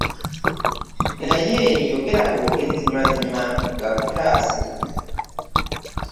Naye yogera bwogezi mazima gakutaase.